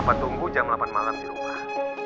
sempat tunggu jam delapan malam di rumah